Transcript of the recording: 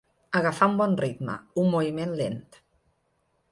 Agafar un bon ritme, un moviment lent.